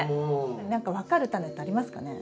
何か分かるタネってありますかね？